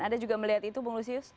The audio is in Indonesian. anda juga melihat itu bung lusius